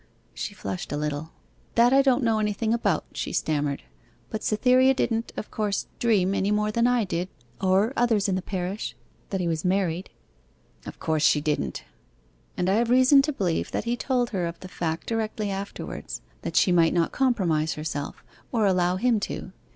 She flushed a little. 'That I don't know anything about,' she stammered. 'But Cytherea didn't, of course, dream any more than I did, or others in the parish, that he was married.' 'Of course she didn't.' 'And I have reason to believe that he told her of the fact directly afterwards, that she might not compromise herself, or allow him to.